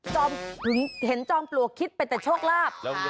ก็เห็นจองปลวกคิดเป็นแต่โชคราบ